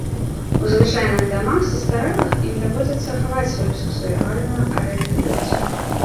У звычайных дамах састарэлых ім даводзіцца хаваць сваю сэксуальную арыентацыю.